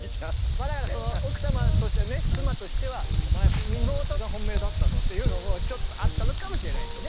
まあだから奥様としてね妻としては「お前妹が本命だったろ」っていうのもちょっとあったのかもしれないしね。